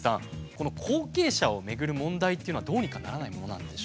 この後継者をめぐる問題っていうのはどうにかならないものなんでしょうか？